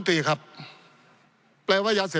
ปี๑เกณฑ์ทหารแสน๒